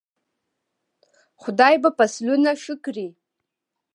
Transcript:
خدای به فصلونه ښه کړي.